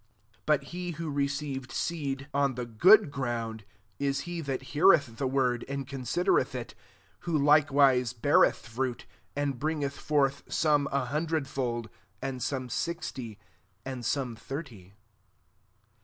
23 But he who received seed on the 44 MATTHEW XIII. good ground, is he that heareth the word, and considereth it; who likewise beareth fruit, a^d bringeth forth, some a hundred fMf and some sixty, and some thirty.''